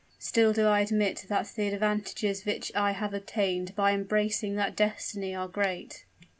"Still do I admit that the advantages which I have obtained by embracing that destiny are great."